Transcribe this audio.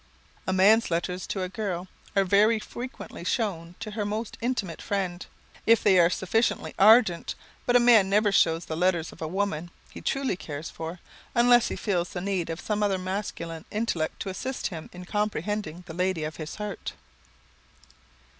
A man's letters to a girl are very frequently shown to her most intimate friend, if they are sufficiently ardent, but a man never shows the letters of a woman he truly cares for, unless he feels the need of some other masculine intellect to assist him in comprehending the lady of his heart.